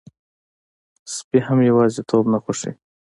سپي هم یواځيتوب نه خوښوي.